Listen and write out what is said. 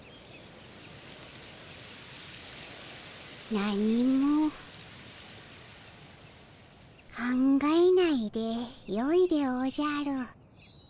何も考えないでよいでおじゃる。